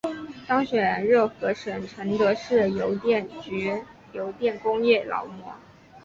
当选热河省承德市邮电局邮电工业劳模。